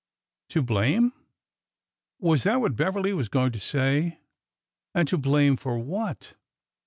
To blame? — was that what Beverly was going to say? And — to blame for what?